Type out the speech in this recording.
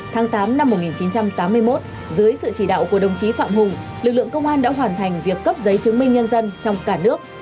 tháng tám năm một nghìn chín trăm tám mươi một dưới sự chỉ đạo của đồng chí phạm hùng lực lượng công an đã hoàn thành việc cấp giấy chứng minh nhân dân trong cả nước